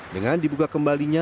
dengan dibuka kembalinya